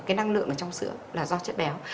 cái năng lượng ở trong sữa là do chất béo